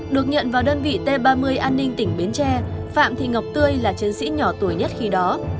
được nhận vào đơn vị t ba mươi an ninh tỉnh bến tre phạm thị ngọc tươi là chiến sĩ nhỏ tuổi nhất khi đó